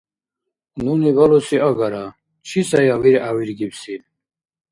— Нуни балуси агара. Чи сая виргӏявиргибси?